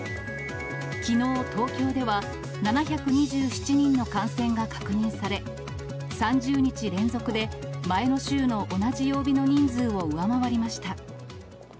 きのう東京では、７２７人の感染が確認され、３０日連続で前の週の同じ曜日の人数を上回りました。